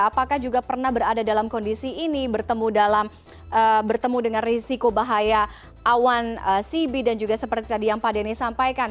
apakah juga pernah berada dalam kondisi ini bertemu dalam bertemu dengan risiko bahaya awan cb dan juga seperti tadi yang pak denny sampaikan